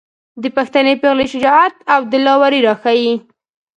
د پښتنې پېغلې شجاعت او دلاوري راښايي.